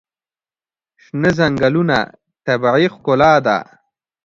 شنه ځنګلونه طبیعي ښکلا ده.